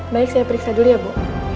baik saya periksa dulu ya bu